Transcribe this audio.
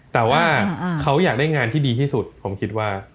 แต่ว่าเขาอยากได้งานที่ดีที่สุดผมคิดว่า